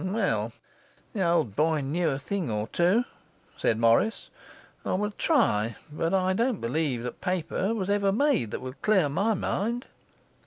'Well, the old boy knew a thing or two,' said Morris. 'I will try; but I don't believe the paper was ever made that will clear my mind.